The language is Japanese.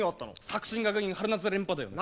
作新学院春夏連覇だよ！